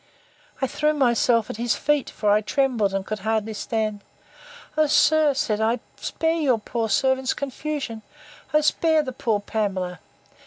I threw myself at his feet; for I trembled, and could hardly stand: O sir, said I, spare your poor servant's confusion! O spare the poor Pamela!